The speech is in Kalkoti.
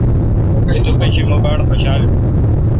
می تو پیشی مہ باڑ خوشال بل۔